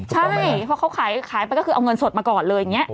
ใช่เพราะเขาขายไปก็คือเอาเงินสดมาก่อนเลยอย่างนี้